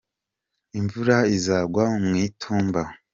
imvura izagwa mu itumba